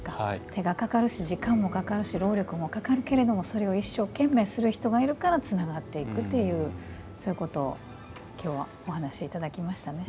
手がかかるし、時間もかかるし労力もかかるけれどそれを一生懸命する人がいるからつながっていくということをきょうはお話いただきましたね。